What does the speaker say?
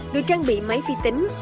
được trang bị máy vi tính